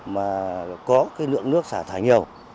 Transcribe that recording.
mà có lượng nước xả thải nhiều